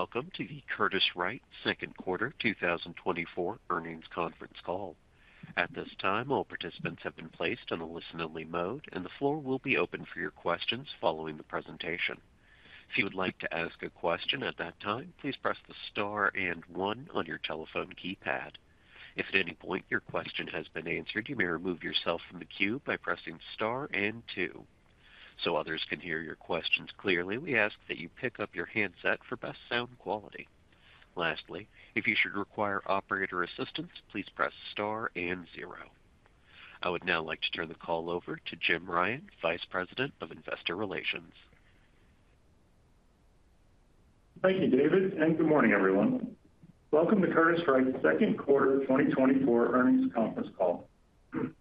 Welcome to the Curtiss-Wright second quarter 2024 earnings conference call. At this time, all participants have been placed in a listen-only mode, and the floor will be open for your questions following the presentation. If you would like to ask a question at that time, please press the star and one on your telephone keypad. If at any point your question has been answered, you may remove yourself from the queue by pressing star and two. So others can hear your questions clearly, we ask that you pick up your handset for best sound quality. Lastly, if you should require operator assistance, please press star and zero. I would now like to turn the call over to Jim Ryan, Vice President of Investor Relations. Thank you, David, and good morning, everyone. Welcome to Curtiss-Wright's second quarter 2024 earnings conference call.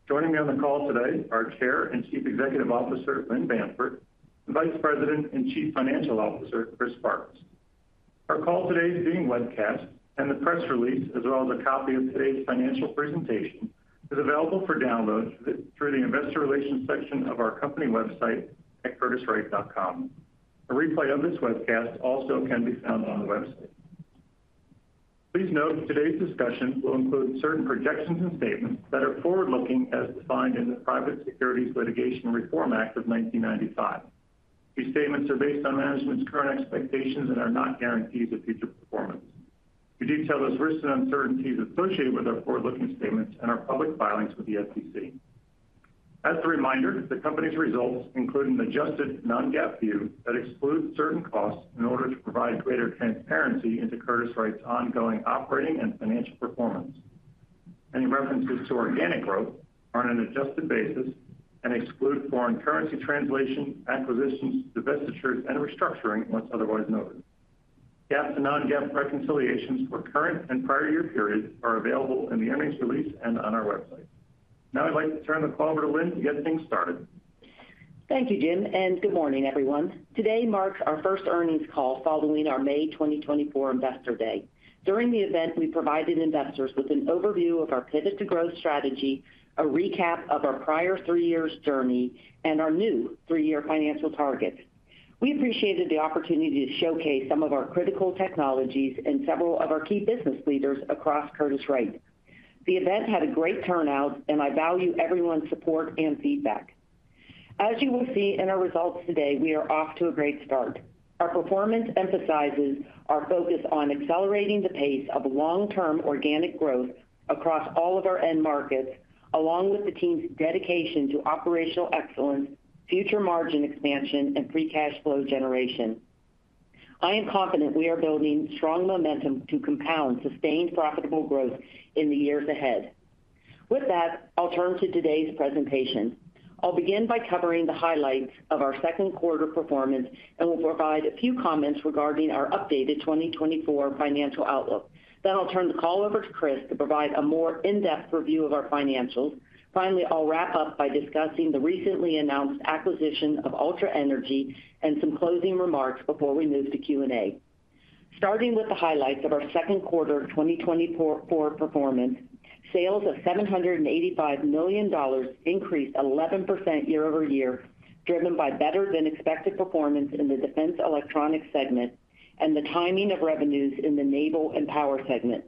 Joining me on the call today are Chair and Chief Executive Officer, Lynn Bamford, and Vice President and Chief Financial Officer, Chris Farkas. Our call today is being webcast and the press release, as well as a copy of today's financial presentation, is available for download through the investor relations section of our company website at curtisswright.com. A replay of this webcast also can be found on the website. Please note that today's discussion will include certain projections and statements that are forward-looking, as defined in the Private Securities Litigation Reform Act of 1995. These statements are based on management's current expectations and are not guarantees of future performance. We detail those risks and uncertainties associated with our forward-looking statements and our public filings with the SEC. As a reminder, the company's results include an adjusted non-GAAP view that excludes certain costs in order to provide greater transparency into Curtiss-Wright's ongoing operating and financial performance. Any references to organic growth are on an adjusted basis and exclude foreign currency translation, acquisitions, divestitures, and restructuring, unless otherwise noted. GAAP to non-GAAP reconciliations for current and prior year periods are available in the earnings release and on our website. Now I'd like to turn the call over to Lynn to get things started. Thank you, Jim, and good morning, everyone. Today marks our first earnings call following our May 2024 Investor Day. During the event, we provided investors with an overview of our Pivot to Growth strategy, a recap of our prior 3 years' journey, and our new 3-year financial targets. We appreciated the opportunity to showcase some of our critical technologies and several of our key business leaders across Curtiss-Wright. The event had a great turnout, and I value everyone's support and feedback. As you will see in our results today, we are off to a great start. Our performance emphasizes our focus on accelerating the pace of long-term organic growth across all of our end markets, along with the team's dedication to operational excellence, future margin expansion, and free cash flow generation. I am confident we are building strong momentum to compound sustained, profitable growth in the years ahead. With that, I'll turn to today's presentation. I'll begin by covering the highlights of our second quarter performance and will provide a few comments regarding our updated 2024 financial outlook. Then I'll turn the call over to Chris to provide a more in-depth review of our financials. Finally, I'll wrap up by discussing the recently announced acquisition of Ultra Energy and some closing remarks before we move to Q&A. Starting with the highlights of our second quarter 2024 performance, sales of $785 million increased 11% year-over-year, driven by better-than-expected performance in the Defense Electronics Naval and Power segment.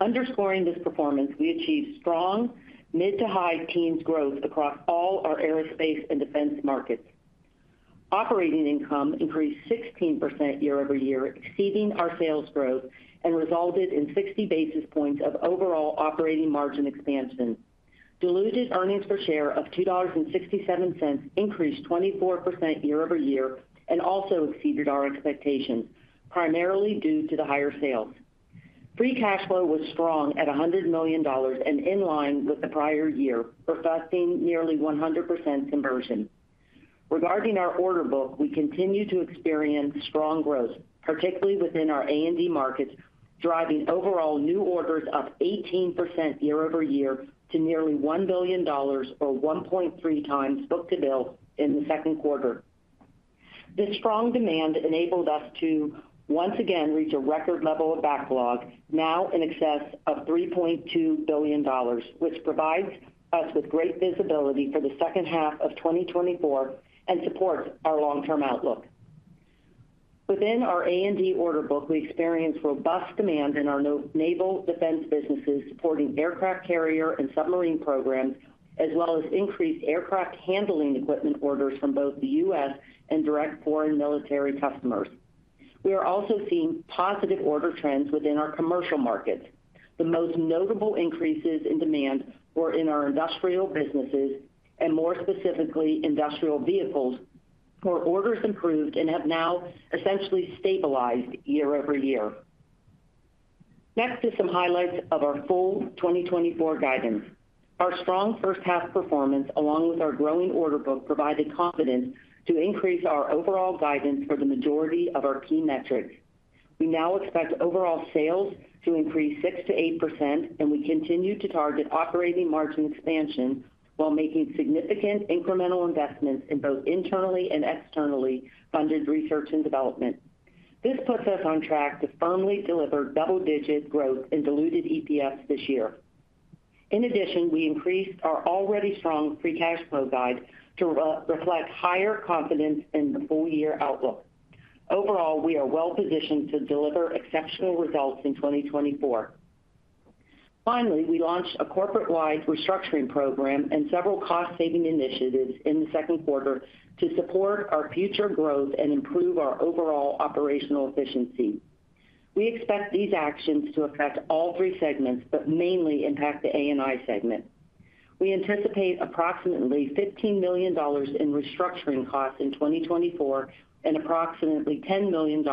underscoring this performance, we achieved strong mid- to high-teens growth across all our aerospace and defense markets. Operating income increased 16% year-over-year, exceeding our sales growth and resulted in 60 basis points of overall operating margin expansion. Diluted earnings per share of $2.67 increased 24% year-over-year and also exceeded our expectations, primarily due to the higher sales. Free cash flow was strong at $100 million and in line with the prior year, reflecting nearly 100% conversion. Regarding our order book, we continue to experience strong growth, particularly within our A and D markets, driving overall new orders up 18% year-over-year to nearly $1 billion or 1.3 times book-to-bill in the second quarter. This strong demand enabled us to once again reach a record level of backlog, now in excess of $3.2 billion, which provides us with great visibility for the second half of 2024 and supports our long-term outlook. Within our A and D order book, we experienced robust demand in our Naval Defense businesses, supporting aircraft carrier and submarine programs, as well as increased aircraft handling equipment orders from both the U.S. and direct foreign military customers. We are also seeing positive order trends within our commercial markets. The most notable increases in demand were in our industrial businesses, and more specifically, industrial vehicles, where orders improved and have now essentially stabilized year-over-year. Next is some highlights of our full 2024 guidance. Our strong first half performance, along with our growing order book, provided confidence to increase our overall guidance for the majority of our key metrics. We now expect overall sales to increase 6% to 8%, and we continue to target operating margin expansion while making significant incremental investments in both internally and externally funded research and development. This puts us on track to firmly deliver double-digit growth in diluted EPS this year. In addition, we increased our already strong free cash flow guide to reflect higher confidence in the full year outlook. Overall, we are well-positioned to deliver exceptional results in 2024. Finally, we launched a corporate-wide restructuring program and several cost-saving initiatives in the second quarter to support our future growth and improve our overall operational efficiency. We expect these actions to affect all three segments, but mainly impact the A&I segment. We anticipate approximately $15 million in restructuring costs in 2024, and approximately $10 million in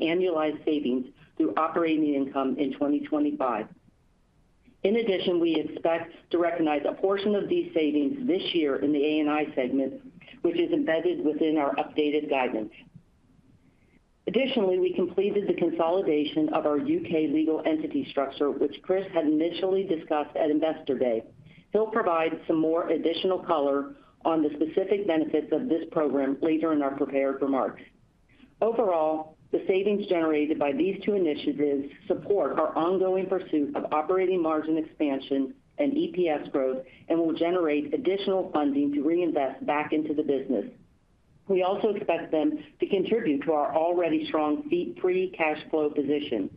annualized savings through operating income in 2025. In addition, we expect to recognize a portion of these savings this year in the A&I segment, which is embedded within our updated guidance. Additionally, we completed the consolidation of our U.K. legal entity structure, which Chris had initially discussed at Investor Day. He'll provide some more additional color on the specific benefits of this program later in our prepared remarks. Overall, the savings generated by these two initiatives support our ongoing pursuit of operating margin expansion and EPS growth, and will generate additional funding to reinvest back into the business. We also expect them to contribute to our already strong free cash flow position.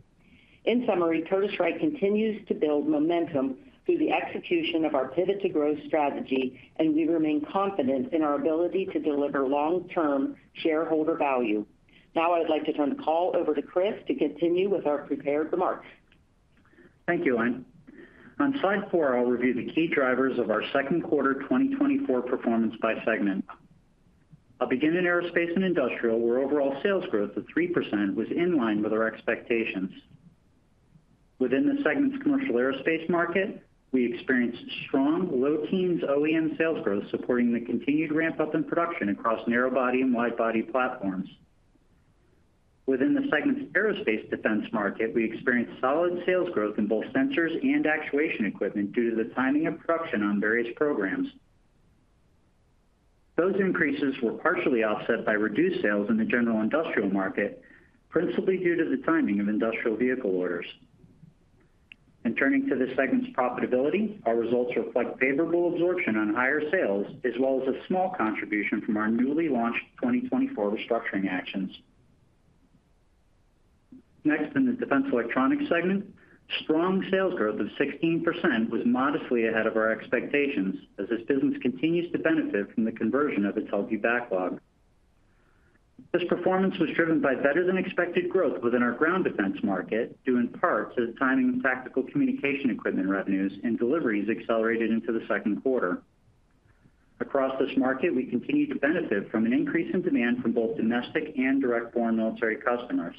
In summary, Curtiss-Wright continues to build momentum through the execution of our Pivot to Growth strategy, and we remain confident in our ability to deliver long-term shareholder value. Now, I'd like to turn the call over to Chris to continue with our prepared remarks. Thank you, Lynn. On slide four, I'll review the key drivers of our second quarter 2024 performance by segment. I'll begin in Aerospace and Industrial, where overall sales growth of 3% was in line with our expectations. Within the segment's Commercial Aerospace market, we experienced strong low teens OEM sales growth, supporting the continued ramp-up in production across narrow body and wide body platforms. Within Aerospace Defense market, we experienced solid sales growth in both sensors and actuation equipment due to the timing of production on various programs. Those increases were partially offset by reduced sales in General Industrial market, principally due to the timing of industrial vehicle orders. And turning to the segment's profitability, our results reflect favorable absorption on higher sales, as well as a small contribution from our newly launched 2024 restructuring actions. Next, in the Defense Electronics segment, strong sales growth of 16% was modestly ahead of our expectations, as this business continues to benefit from the conversion of its healthy backlog. This performance was driven by better-than-expected growth within Ground Defense market, due in part to the timing of tactical communication equipment revenues and deliveries accelerated into the second quarter. Across this market, we continue to benefit from an increase in demand from both domestic and direct foreign military customers.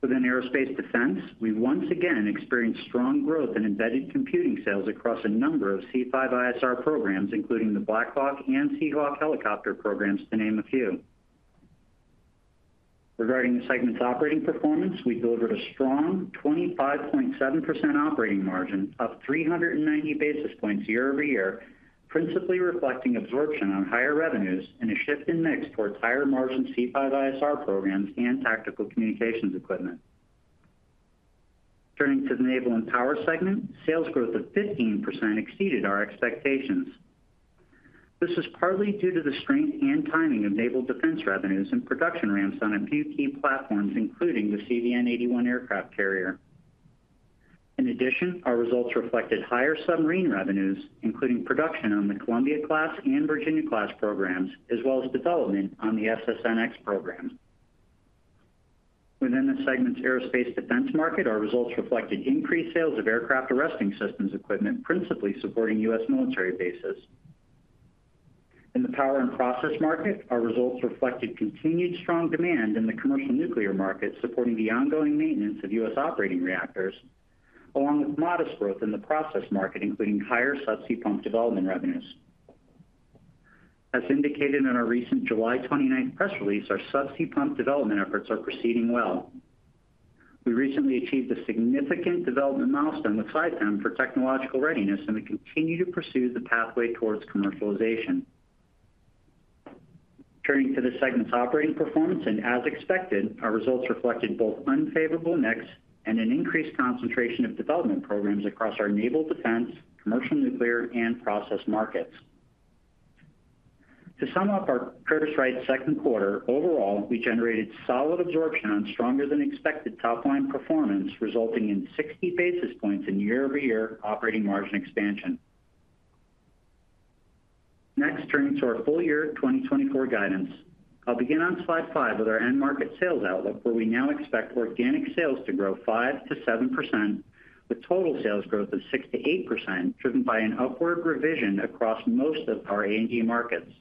Within Aerospace Defense, we once again experienced strong growth in embedded computing sales across a number of C5ISR programs, including the Black Hawk and Seahawk helicopter programs, to name a few. Regarding the segment's operating performance, we delivered a strong 25.7% operating margin, up 390 basis points year-over-year, principally reflecting absorption on higher revenues and a shift in mix towards higher-margin C5ISR programs and tactical Naval and Power segment, sales growth of 15% exceeded our expectations. This is partly due to the strength and timing of Naval Defense revenues and production ramps on a few key platforms, including the CVN-81 aircraft carrier. In addition, our results reflected higher submarine revenues, including production on the Columbia-class and Virginia-class programs, as well as development on the SSN(X) program. Within Aerospace Defense market, our results reflected increased sales of aircraft arresting systems equipment, principally supporting U.S. military bases. In the Power and Process market, our results reflected continued strong demand in the Commercial Nuclear market, supporting the ongoing maintenance of U.S. operating reactors, along with modest growth in the process market, including higher subsea pump development revenues. As indicated in our recent July twenty-ninth press release, our subsea pump development efforts are proceeding well. We recently achieved a significant development milestone with Saipem for technological readiness, and we continue to pursue the pathway towards commercialization. Turning to the segment's operating performance, and as expected, our results reflected both unfavorable mix and an increased concentration of development programs across our Naval Defense, commercial, nuclear, and process markets. To sum up our Curtiss-Wright's second quarter, overall, we generated solid absorption on stronger-than-expected top-line performance, resulting in 60 basis points in year-over-year operating margin expansion. Next, turning to our full-year 2024 guidance. I'll begin on slide five with our end market sales outlook, where we now expect organic sales to grow 5% to 7%, with total sales growth of 6% to 8%, driven by an upward revision across most of our A&D markets.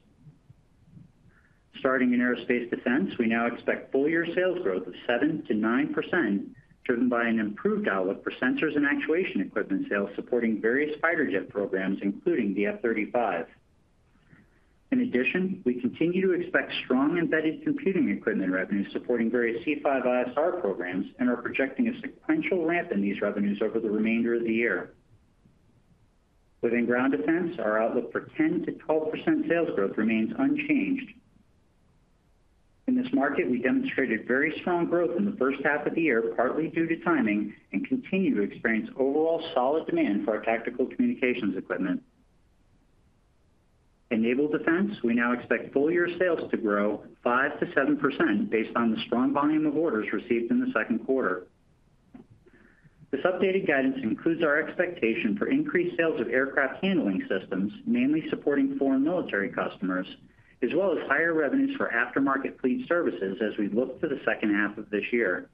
Starting in Aerospace Defense, we now expect full-year sales growth of 7% to 9%, driven by an improved outlook for sensors and actuation equipment sales supporting various fighter jet programs, including the F-35. In addition, we continue to expect strong embedded computing equipment revenues supporting various C5ISR programs and are projecting a sequential ramp in these revenues over the remainder of the year. Within Ground Defense, our outlook for 10% to 12% sales growth remains unchanged. In this market, we demonstrated very strong growth in the first half of the year, partly due to timing, and continue to experience overall solid demand for our tactical communications equipment. In Naval Defense, we now expect full-year sales to grow 5% to 7% based on the strong volume of orders received in the second quarter. This updated guidance includes our expectation for increased sales of aircraft handling systems, mainly supporting foreign military customers, as well as higher revenues for aftermarket fleet services as we look to the second half of this year.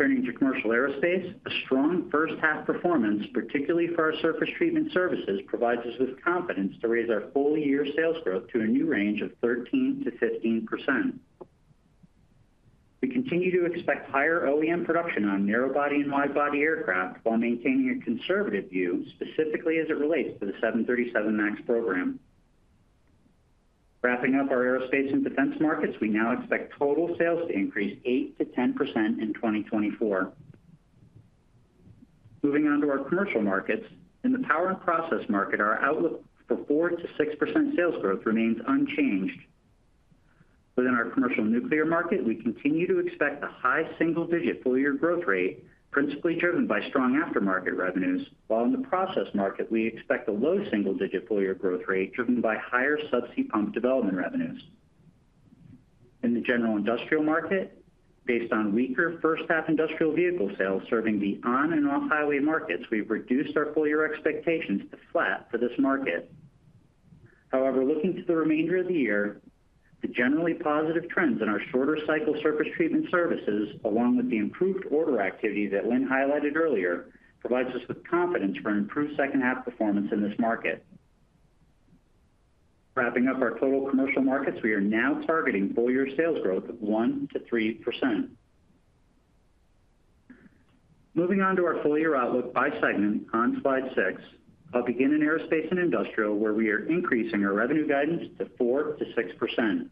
Turning to Commercial Aerospace, a strong first half performance, particularly for our surface treatment services, provides us with confidence to raise our full-year sales growth to a new range of 13% to 15%. We continue to expect higher OEM production on narrow body and wide body aircraft, while maintaining a conservative view, specifically as it relates to the 737 MAX program. Wrapping up our aerospace and defense markets, we now expect total sales to increase 8% to 10% in 2024. Moving on to our commercial markets. In the Power and Process market, our outlook for 4% to 6% sales growth remains unchanged. Within our Commercial Nuclear market, we continue to expect a high single-digit full-year growth rate, principally driven by strong aftermarket revenues, while in the process market, we expect a low single-digit full-year growth rate, driven by higher subsea pump development revenues. In General Industrial market, based on weaker first half industrial vehicle sales serving the on and off-highway markets, we've reduced our full-year expectations to flat for this market. However, looking to the remainder of the year, the generally positive trends in our shorter cycle surface treatment services, along with the improved order activity that Lynn highlighted earlier, provides us with confidence for an improved second half performance in this market. Wrapping up our total commercial markets, we are now targeting full-year sales growth of 1% to 3%. Moving on to our full-year outlook by segment on slide 6, I'll begin in aerospace and industrial, where we are increasing our revenue guidance to 4% to 6%.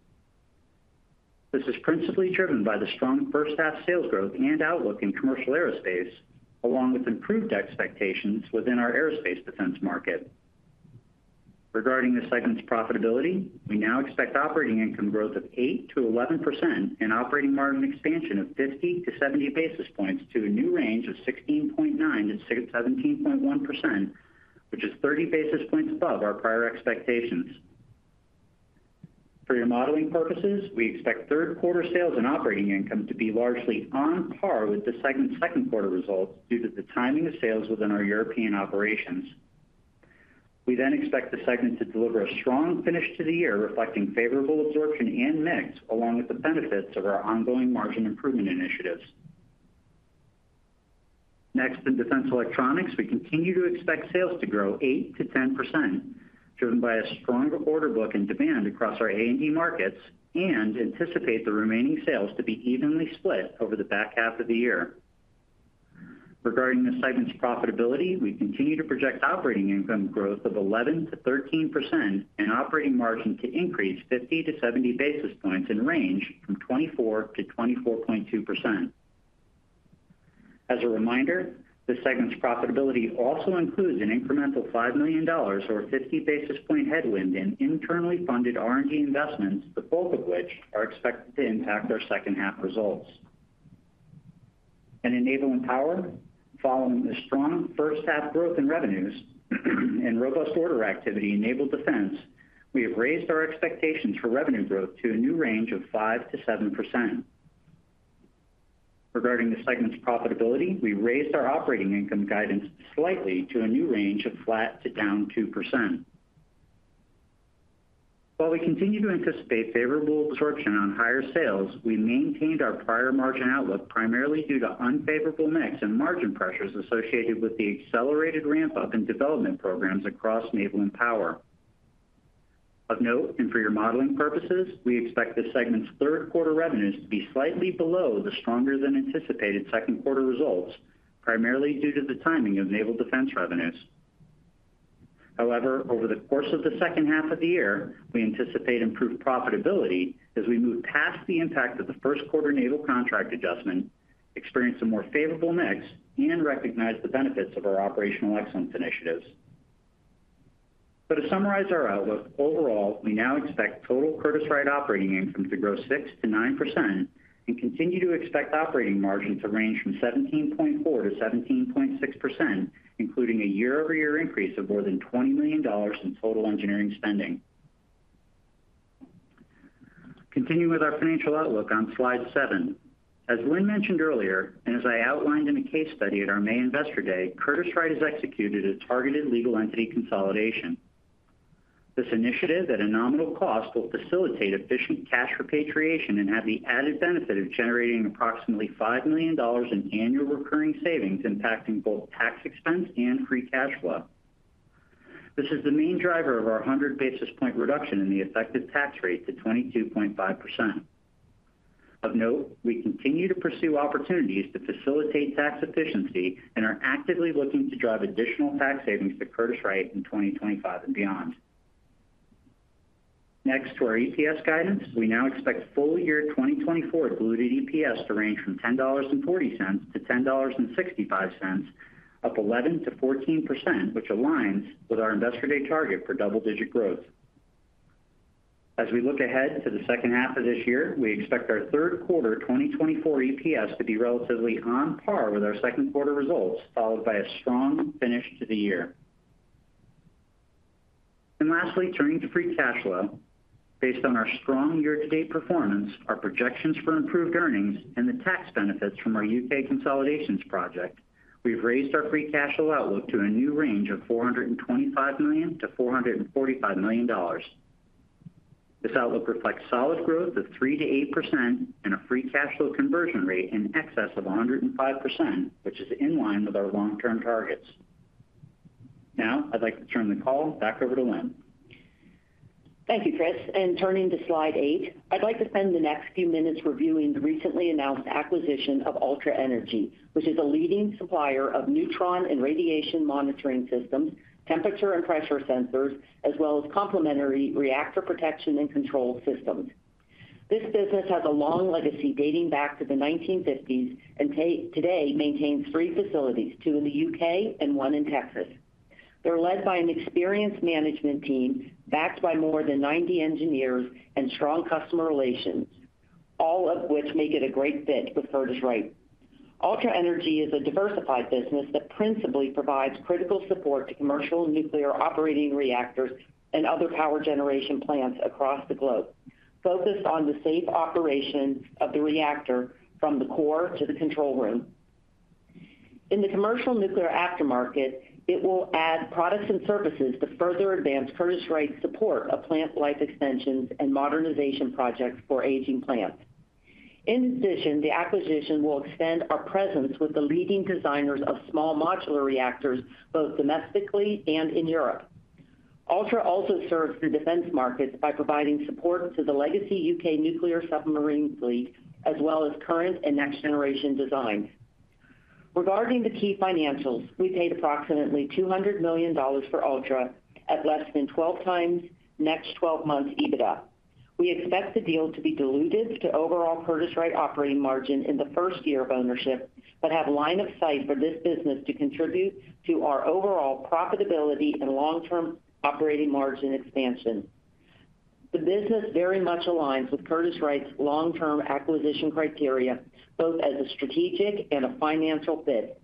This is principally driven by the strong first half sales growth and outlook in Commercial Aerospace, along with improved expectations within our Aerospace Defense market. Regarding the segment's profitability, we now expect operating income growth of 8%-11% and operating margin expansion of 50 to 70 basis points to a new range of 16.9% to 17.1%, which is 30 basis points above our prior expectations. For your modeling purposes, we expect third quarter sales and operating income to be largely on par with the second quarter results due to the timing of sales within our European operations. We then expect the segment to deliver a strong finish to the year, reflecting favorable absorption and mix, along with the benefits of our ongoing margin improvement initiatives. Next, in Defense Electronics, we continue to expect sales to grow 8% to 10%, driven by a strong order book and demand across our A&D markets, and anticipate the remaining sales to be evenly split over the back half of the year. Regarding the segment's profitability, we continue to project operating income growth of 11%-13% and operating margin to increase 50 to 70 basis points in range from 24% to 24.2%. As a reminder, this segment's profitability also includes an incremental $5 million or 50 basis point headwind in internally funded R&D investments, the bulk of which are expected to impact our second half results. In Naval and Power, following the strong first half growth in revenues and robust order activity in Naval Defense, we have raised our expectations for revenue growth to a new range of 5% to 7%. Regarding the segment's profitability, we raised our operating income guidance slightly to a new range of flat to down 2%. While we continue to anticipate favorable absorption on higher sales, we maintained our prior margin outlook, primarily due to unfavorable mix and margin pressures associated with the accelerated ramp-up in development programs across Naval and Power. Of note, and for your modeling purposes, we expect this segment's third quarter revenues to be slightly below the stronger-than-anticipated second quarter results, primarily due to the timing of Naval Defense revenues. However, over the course of the second half of the year, we anticipate improved profitability as we move past the impact of the first quarter naval contract adjustment, experience a more favorable mix, and recognize the benefits of our operational excellence initiatives. To summarize our outlook, overall, we now expect total Curtiss-Wright operating income to grow 6% to 9% and continue to expect operating margin to range from 17.4% to 17.6%, including a year-over-year increase of more than $20 million in total engineering spending. Continuing with our financial outlook on slide seven. As Lynn mentioned earlier, and as I outlined in a case study at our May Investor Day, Curtiss-Wright has executed a targeted legal entity consolidation. This initiative, at a nominal cost, will facilitate efficient cash repatriation and have the added benefit of generating approximately $5 million in annual recurring savings, impacting both tax expense and free cash flow. This is the main driver of our 100 basis points reduction in the effective tax rate to 22.5%. Of note, we continue to pursue opportunities to facilitate tax efficiency and are actively looking to drive additional tax savings to Curtiss-Wright in 2025 and beyond. Next, to our EPS guidance. We now expect full-year 2024 diluted EPS to range from $10.40 to $10.65, up 11% to 14%, which aligns with our Investor Day target for double-digit growth. As we look ahead to the second half of this year, we expect our third quarter 2024 EPS to be relatively on par with our second quarter results, followed by a strong finish to the year. And lastly, turning to free cash flow. Based on our strong year-to-date performance, our projections for improved earnings, and the tax benefits from our U.K. consolidations project, we've raised our free cash flow outlook to a new range of $425 million to $445 million. This outlook reflects solid growth of 3% to 8% and a free cash flow conversion rate in excess of 105%, which is in line with our long-term targets. Now, I'd like to turn the call back over to Lynn. Thank you, Chris, and turning to slide eight. I'd like to spend the next few minutes reviewing the recently announced acquisition of Ultra Energy, which is a leading supplier of neutron and radiation monitoring systems, temperature and pressure sensors, as well as complementary reactor protection and control systems. This business has a long legacy dating back to the 1950s, and today maintains 3 facilities, 2 in the U.K. and one in Texas. They're led by an experienced management team, backed by more than 90 engineers and strong customer relations, all of which make it a great fit with Curtiss-Wright. Ultra Energy is a diversified business that principally provides critical support to commercial nuclear operating reactors and other power generation plants across the globe, focused on the safe operation of the reactor from the core to the control room. In the commercial nuclear aftermarket, it will add products and services to further advance Curtiss-Wright's support of plant life extensions and modernization projects for aging plants. In addition, the acquisition will extend our presence with the leading designers of small modular reactors, both domestically and in Europe. Ultra also serves the defense markets by providing support to the legacy U.K. nuclear submarines fleet, as well as current and next generation designs. Regarding the key financials, we paid approximately $200 million for Ultra at less than 12x next twelve months EBITDA. We expect the deal to be diluted to overall Curtiss-Wright operating margin in the first year of ownership, but have line of sight for this business to contribute to our overall profitability and long-term operating margin expansion. The business very much aligns with Curtiss-Wright's long-term acquisition criteria, both as a strategic and a financial fit,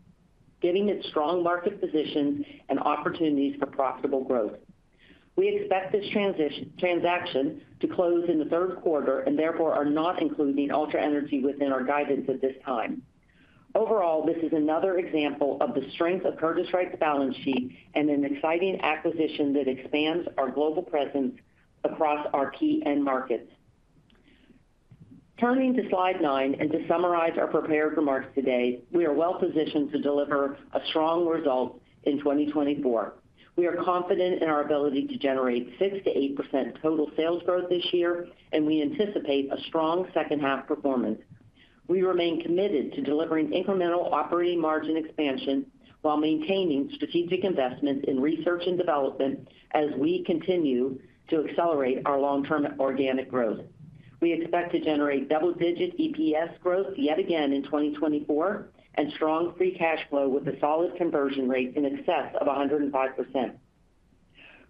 giving it strong market position and opportunities for profitable growth. We expect this transaction to close in the third quarter and therefore are not including Ultra Energy within our guidance at this time. Overall, this is another example of the strength of Curtiss-Wright's balance sheet and an exciting acquisition that expands our global presence across our key end markets. Turning to slide nine, and to summarize our prepared remarks today, we are well positioned to deliver a strong result in 2024. We are confident in our ability to generate 6% to 8% total sales growth this year, and we anticipate a strong second-half performance. We remain committed to delivering incremental operating margin expansion while maintaining strategic investments in research and development as we continue to accelerate our long-term organic growth. We expect to generate double-digit EPS growth yet again in 2024, and strong free cash flow with a solid conversion rate in excess of 105%.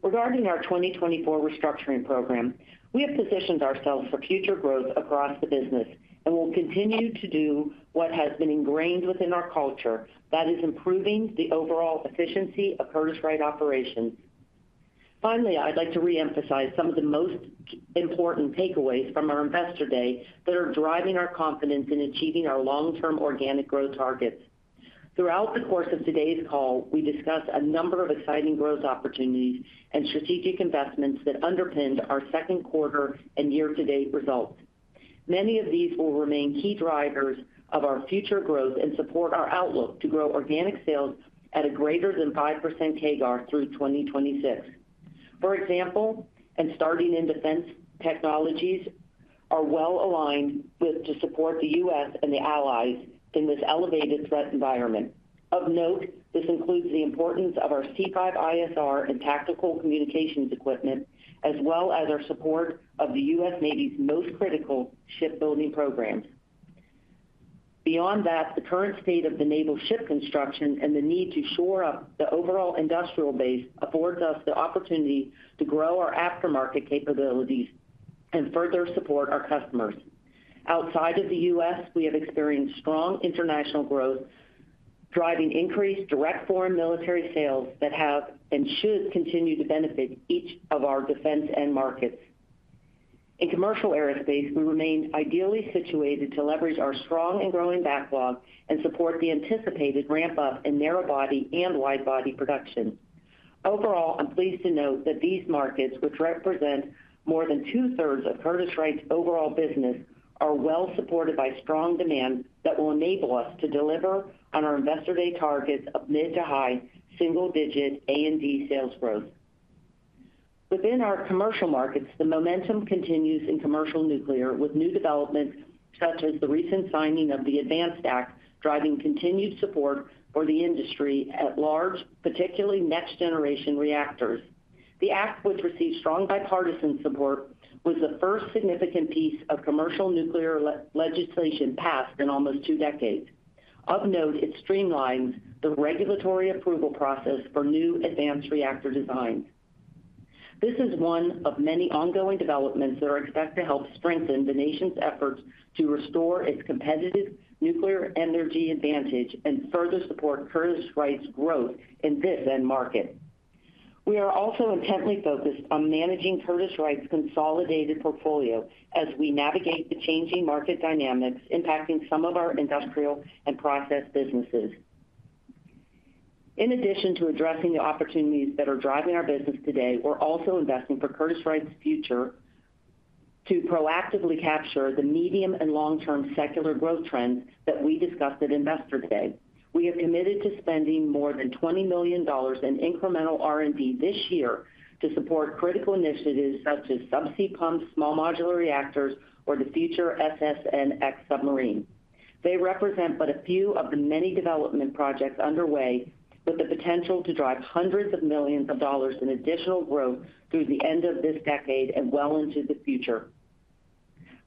Regarding our 2024 restructuring program, we have positioned ourselves for future growth across the business, and will continue to do what has been ingrained within our culture, that is, improving the overall efficiency of Curtiss-Wright operations. Finally, I'd like to reemphasize some of the most important takeaways from our Investor Day that are driving our confidence in achieving our long-term organic growth targets. Throughout the course of today's call, we discussed a number of exciting growth opportunities and strategic investments that underpinned our second quarter and year-to-date results. Many of these will remain key drivers of our future growth and support our outlook to grow organic sales at a greater than 5% CAGR through 2026. For example, and starting in defense, technologies are well aligned with to support the U.S. and the allies in this elevated threat environment. Of note, this includes the importance of our C5ISR and tactical communications equipment, as well as our support of the U.S. Navy's most critical shipbuilding programs. Beyond that, the current state of the naval ship construction and the need to shore up the overall industrial base affords us the opportunity to grow our aftermarket capabilities and further support our customers. Outside of the U.S., we have experienced strong international growth, driving increased direct Foreign Military Sales that have and should continue to benefit each of our defense end markets. In Commercial Aerospace, we remain ideally situated to leverage our strong and growing backlog and support the anticipated ramp up in narrow body and wide body production. Overall, I'm pleased to note that these markets, which represent more than two-thirds of Curtiss-Wright's overall business, are well supported by strong demand that will enable us to deliver on our Investor Day targets of mid to high, single-digit A&D sales growth. Within our commercial markets, the momentum continues in commercial nuclear, with new developments such as the recent signing of the ADVANCE Act, driving continued support for the industry at large, particularly next-generation reactors. The act, which received strong bipartisan support, was the first significant piece of commercial nuclear legislation passed in almost two decades. Of note, it streamlines the regulatory approval process for new advanced reactor designs. This is one of many ongoing developments that are expected to help strengthen the nation's efforts to restore its competitive nuclear energy advantage and further support Curtiss-Wright's growth in this end market. We are also intently focused on managing Curtiss-Wright's consolidated portfolio as we navigate the changing market dynamics impacting some of our industrial and process businesses. In addition to addressing the opportunities that are driving our business today, we're also investing for Curtiss-Wright's future to proactively capture the medium and long-term secular growth trends that we discussed at Investor Day. We have committed to spending more than $20 million in incremental R&D this year to support critical initiatives such as subsea pumps, small modular reactors, or the future SSN(X) submarine. They represent but a few of the many development projects underway with the potential to drive hundreds of millions of dollars in additional growth through the end of this decade and well into the future.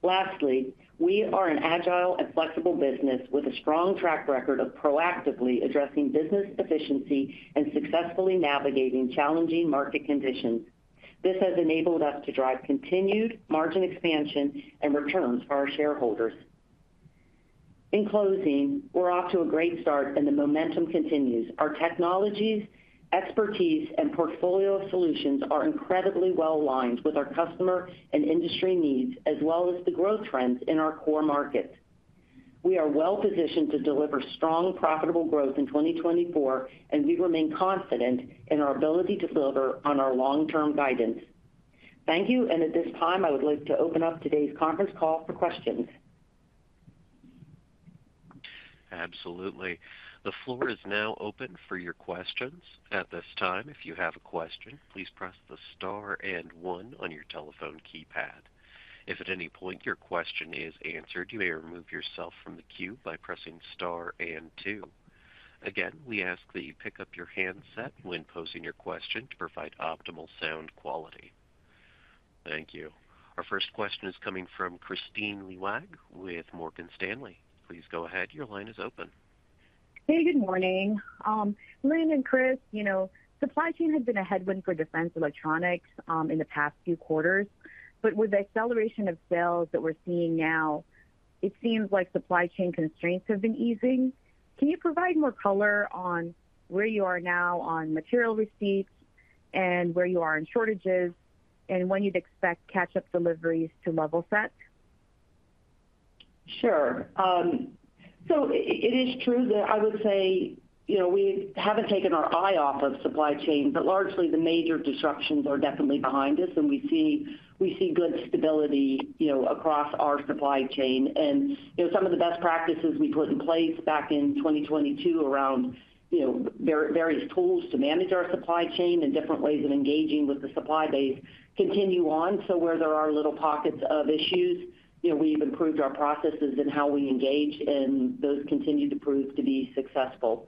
Lastly, we are an agile and flexible business with a strong track record of proactively addressing business efficiency and successfully navigating challenging market conditions. This has enabled us to drive continued margin expansion and returns for our shareholders. In closing, we're off to a great start, and the momentum continues. Our technologies, expertise, and portfolio of solutions are incredibly well aligned with our customer and industry needs, as well as the growth trends in our core markets. We are well positioned to deliver strong, profitable growth in 2024, and we remain confident in our ability to deliver on our long-term guidance. Thank you, and at this time, I would like to open up today's conference call for questions. Absolutely. The floor is now open for your questions. At this time, if you have a question, please press the star and one on your telephone keypad. If at any point your question is answered, you may remove yourself from the queue by pressing star and two. Again, we ask that you pick up your handset when posing your question to provide optimal sound quality. Thank you. Our first question is coming from Kristine Liwag with Morgan Stanley. Please go ahead. Your line is open. Hey, good morning. Lynn and Chris, you know, supply chain had been a headwind for Defense Electronics, in the past few quarters, but with the acceleration of sales that we're seeing now, it seems like supply chain constraints have been easing. Can you provide more color on where you are now on material receipts and where you are in shortages, and when you'd expect catch-up deliveries to level set? Sure. So it is true that I would say, you know, we haven't taken our eye off of supply chain, but largely the major disruptions are definitely behind us, and we see good stability, you know, across our supply chain. And, you know, some of the best practices we put in place back in 2022 around, you know, various tools to manage our supply chain and different ways of engaging with the supply base continue on. So where there are little pockets of issues, you know, we've improved our processes and how we engage, and those continue to prove to be successful.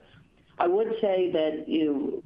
I would say that, you know,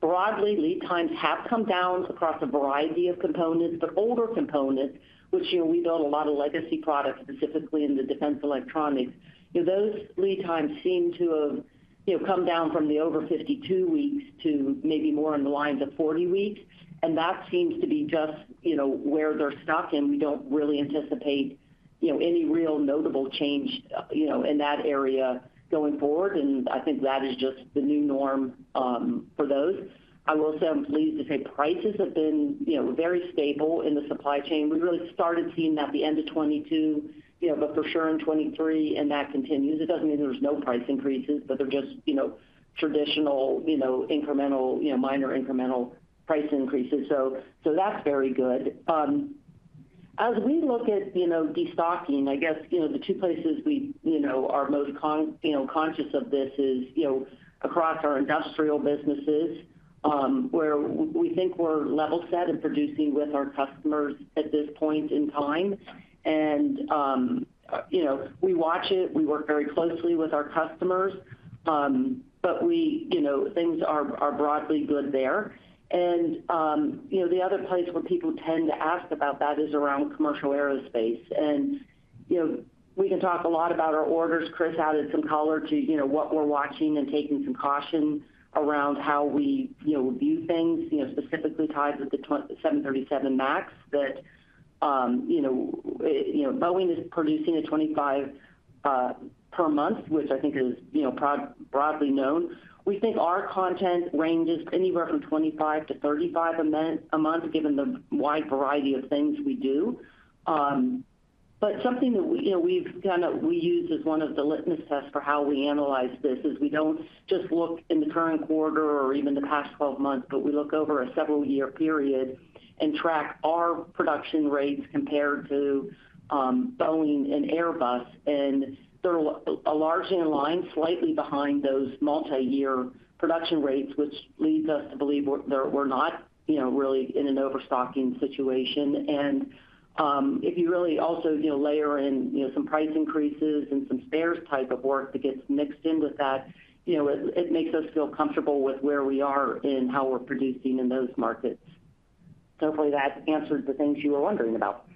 broadly, lead times have come down across a variety of components, but older components, which, you know, we build a lot of legacy products, specifically in the Defense Electronics, you know, those lead times seem to have, you know, come down from the over 52 weeks to maybe more in the lines of 40 weeks. And that seems to be just, you know, where they're stuck, and we don't really anticipate, you know, any real notable change, you know, in that area going forward, and I think that is just the new norm, for those. I will say I'm pleased to say prices have been, you know, very stable in the supply chain. We really started seeing that at the end of 2022, you know, but for sure in 2023, and that continues. It doesn't mean there's no price increases, but they're just, you know, traditional, you know, incremental, you know, minor incremental price increases. So that's very good. As we look at, you know, destocking, I guess, you know, the two places we, you know, are most conscious of this is, you know, across our industrial businesses, where we think we're level set in producing with our customers at this point in time. And, you know, we watch it, we work very closely with our customers, but we, you know, things are broadly good there. And, you know, the other place where people tend to ask about that is around Commercial Aerospace. And, you know, we can talk a lot about our orders. Chris added some color to, you know, what we're watching and taking some caution around how we, you know, view things, you know, specifically tied with the 737 MAX, that, you know, Boeing is producing at 25 per month, which I think is, you know, broadly known. We think our content ranges anywhere from 25 to 35 a month, given the wide variety of things we do. But something that we, you know, we use as one of the litmus tests for how we analyze this is we don't just look in the current quarter or even the past 12 months, but we look over a several-year period and track our production rates compared to, Boeing and Airbus. And they're largely in line, slightly behind those multi-year production rates, which leads us to believe we're not, you know, really in an overstocking situation. And if you really also, you know, layer in, you know, some price increases and some spares type of work that gets mixed in with that, you know, it makes us feel comfortable with where we are and how we're producing in those markets.... hopefully, that answered the things you were wondering about.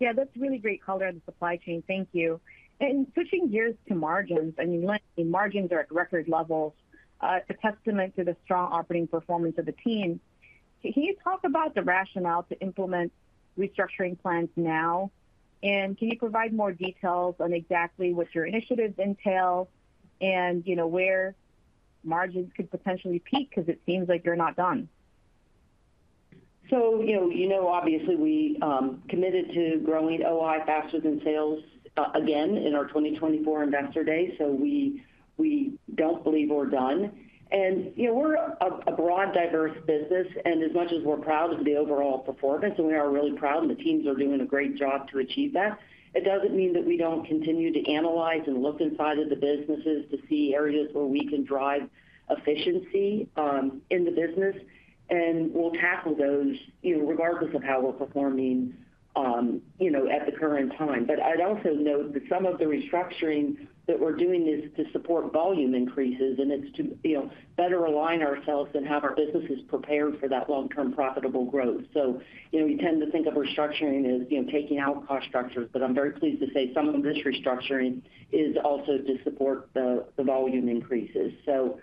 Yeah, that's really great color on the supply chain. Thank you. And switching gears to margins, I mean, Lynn, the margins are at record levels, a testament to the strong operating performance of the team. Can you talk about the rationale to implement restructuring plans now? And can you provide more details on exactly what your initiatives entail, and, you know, where margins could potentially peak? Because it seems like you're not done. So, you know, you know, obviously, we committed to growing OI faster than sales again in our 2024 Investor Day, so we don't believe we're done. And, you know, we're a broad, diverse business, and as much as we're proud of the overall performance, and we are really proud, and the teams are doing a great job to achieve that, it doesn't mean that we don't continue to analyze and look inside of the businesses to see areas where we can drive efficiency in the business. And we'll tackle those, you know, regardless of how we're performing, you know, at the current time. But I'd also note that some of the restructuring that we're doing is to support volume increases, and it's to, you know, better align ourselves and have our businesses prepared for that long-term profitable growth. So, you know, we tend to think of restructuring as, you know, taking out cost structures, but I'm very pleased to say some of this restructuring is also to support the, the volume increases. So,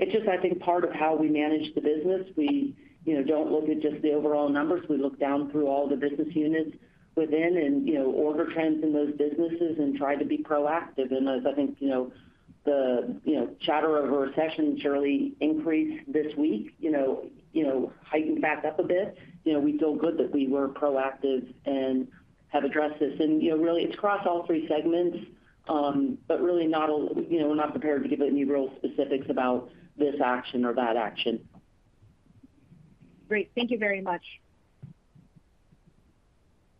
it's just, I think, part of how we manage the business. We, you know, don't look at just the overall numbers. We look down through all the business units within and, you know, order trends in those businesses and try to be proactive. And as I think, you know, the, you know, chatter of a recession surely increased this week, you know, you know, heightened back up a bit. You know, we feel good that we were proactive and have addressed this. And, you know, really, it's across all three segments, but really not you know, we're not prepared to give out any real specifics about this action or that action. Great. Thank you very much.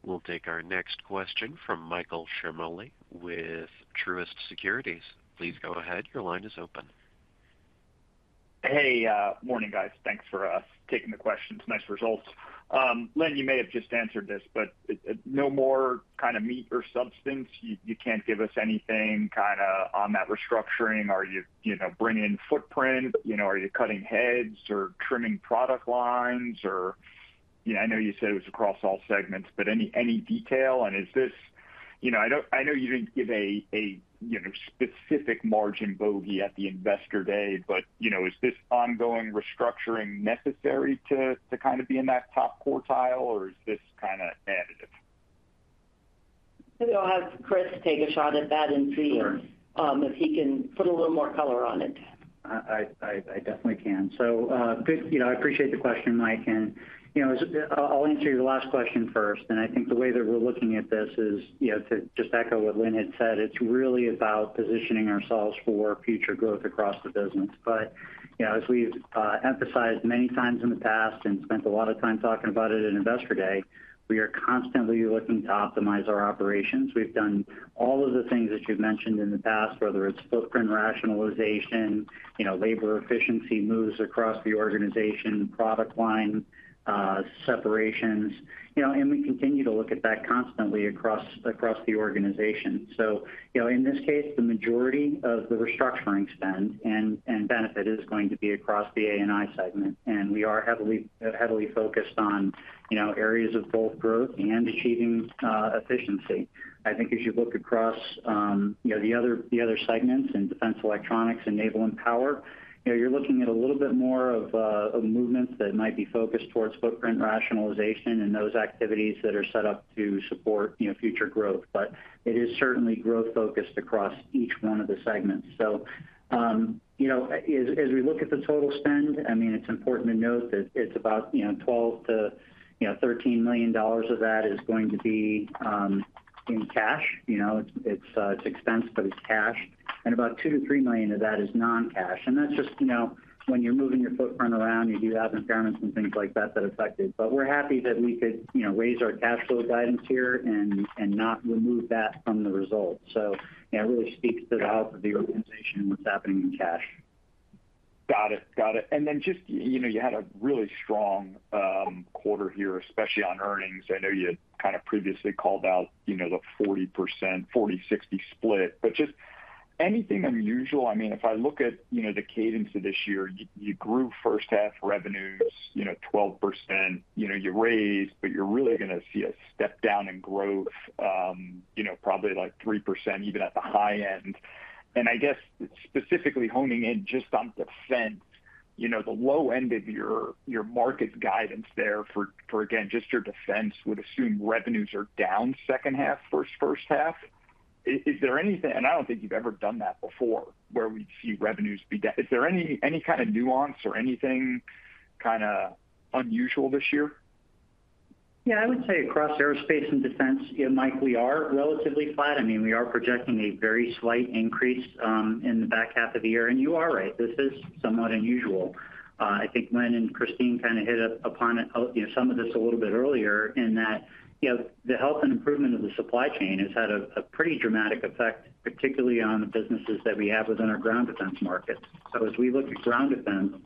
We'll take our next question from Michael Ciarmoli with Truist Securities. Please go ahead. Your line is open. Hey, morning, guys. Thanks for taking the questions. Nice results. Lynn, you may have just answered this, but no more kind of meat or substance, you can't give us anything kinda on that restructuring? Are you, you know, bringing in footprint? You know, are you cutting heads or trimming product lines? Or, you know, I know you said it was across all segments, but any detail, and is this, you know, I know you didn't give a specific margin bogey at the Investor Day, but, you know, is this ongoing restructuring necessary to kind of be in that top quartile, or is this kind of additive? Maybe I'll have Chris take a shot at that and see- Sure If he can put a little more color on it. I definitely can. So, you know, I appreciate the question, Mike. And, you know, I'll answer your last question first, and I think the way that we're looking at this is, you know, to just echo what Lynn had said, it's really about positioning ourselves for future growth across the business. But, you know, as we've emphasized many times in the past and spent a lot of time talking about it in Investor Day, we are constantly looking to optimize our operations. We've done all of the things that you've mentioned in the past, whether it's footprint rationalization, you know, labor efficiency moves across the organization, product line separations, you know, and we continue to look at that constantly across the organization. So, you know, in this case, the majority of the restructuring spend and benefit is going to be across the A&I segment, and we are heavily focused on, you know, areas of both growth and achieving efficiency. I think as you look across, you know, the other segments in Defense Electronics and Naval and Power, you know, you're looking at a little bit more of movements that might be focused towards footprint rationalization and those activities that are set up to support, you know, future growth. But it is certainly growth focused across each one of the segments. So, you know, as we look at the total spend, I mean, it's important to note that it's about $12 million to $13 million of that is going to be in cash. You know, it's expense, but it's cash, and about $2 million to $3 million of that is non-cash. And that's just, you know, when you're moving your footprint around, you do have impairments and things like that, that affect it. But we're happy that we could, you know, raise our cash flow guidance here and not remove that from the results. So it really speaks to the health of the organization and what's happening in cash. Got it. Got it. And then just, you know, you had a really strong quarter here, especially on earnings. I know you kind of previously called out, you know, the 40%, 40, 60 split, but just anything unusual? I mean, if I look at, you know, the cadence of this year, you grew first half revenues, you know, 12%. You know, you raised, but you're really gonna see a step down in growth, you know, probably like 3%, even at the high end. And I guess specifically honing in just on defense, you know, the low end of your market guidance there for, again, just your defense, would assume revenues are down second half, first half. Is there anything, and I don't think you've ever done that before, where we'd see revenues be down. Is there any kind of nuance or anything kind of unusual this year? Yeah, I would say across aerospace and defense, you know, Mike, we are relatively flat. I mean, we are projecting a very slight increase in the back half of the year, and you are right, this is somewhat unusual. I think Lynn and Chris kind of hit upon it, you know, some of this a little bit earlier, in that, you know, the health and improvement of the supply chain has had a pretty dramatic effect, particularly on the businesses that we have within Ground Defense market. so as we look at Ground Defense-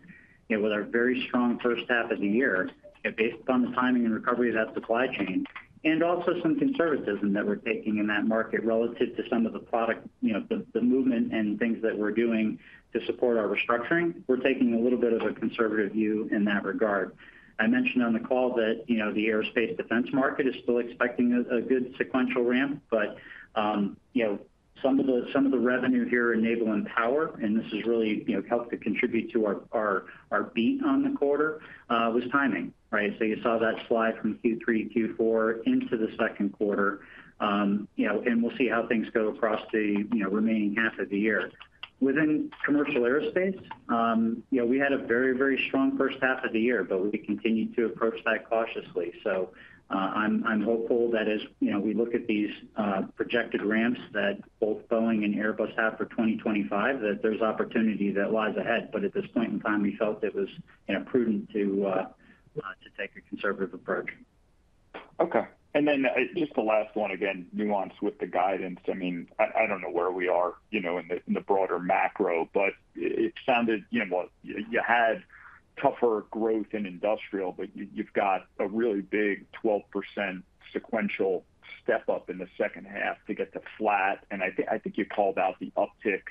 With our very strong first half of the year, and based upon the timing and recovery of that supply chain, and also some conservatism that we're taking in that market relative to some of the product, you know, the movement and things that we're doing to support our restructuring, we're taking a little bit of a conservative view in that regard. I mentioned on the call that, you Aerospace Defense market is still expecting a good sequential ramp, but, you know, some of the revenue here in Naval and Power, and this has really, you know, helped to contribute to our beat on the quarter, was timing, right? So you saw that slide from Q3 to Q4 into the second quarter. You know, and we'll see how things go across the, you know, remaining half of the year. Within Commercial Aerospace, you know, we had a very, very strong first half of the year, but we continued to approach that cautiously. So, I'm hopeful that as, you know, we look at these projected ramps that both Boeing and Airbus have for 2025, that there's opportunity that lies ahead. But at this point in time, we felt it was, you know, prudent to take a conservative approach. Okay. And then, just the last one, again, nuance with the guidance. I mean, I don't know where we are, you know, in the broader macro, but it sounded, you know what? You had tougher growth in industrial, but you've got a really big 12% sequential step up in the second half to get to flat, and I think you called out the uptick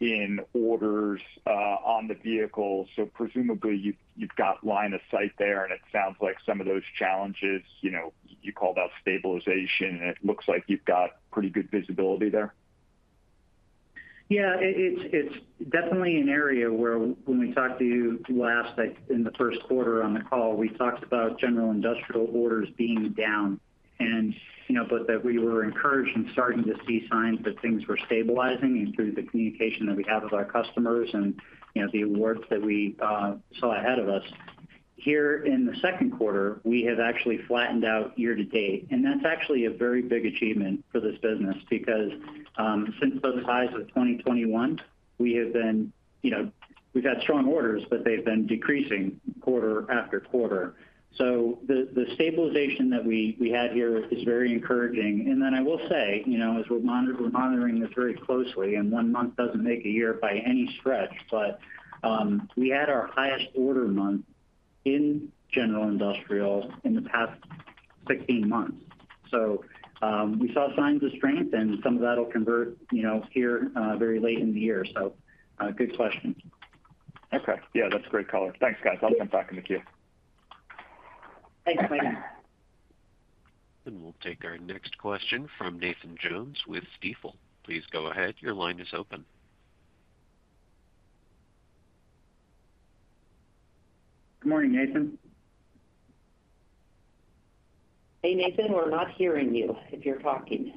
in orders on the vehicle. So presumably, you've got line of sight there, and it sounds like some of those challenges, you know, you called out stabilization, and it looks like you've got pretty good visibility there. Yeah, it's definitely an area where when we talked to you last, like in the first quarter on the call, we talked about General Industrial orders being down. And, you know, but that we were encouraged and starting to see signs that things were stabilizing through the communication that we have with our customers and, you know, the awards that we saw ahead of us. Here in the second quarter, we have actually flattened out year to date, and that's actually a very big achievement for this business because, since the highs of 2021, we have been, you know, we've had strong orders, but they've been decreasing quarter after quarter. So the stabilization that we had here is very encouraging. Then I will say, you know, as we're monitoring this very closely, and one month doesn't make a year by any stretch, but we had our highest order month in General Industrial in the past 16 months. So, we saw signs of strength, and some of that'll convert, you know, here very late in the year. So, good question. Okay. Yeah, that's a great color. Thanks, guys. I enjoyed talking with you. Thanks, Mike. We'll take our next question from Nathan Jones with Stifel. Please go ahead. Your line is open. Good morning, Nathan. Hey, Nathan, we're not hearing you, if you're talking.